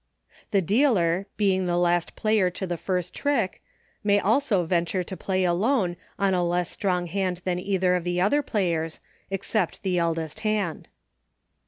" The dealer, being the last player to the first trick, may also venture to Play Alone on a less strong hand than either of the other players, except the eldest hand.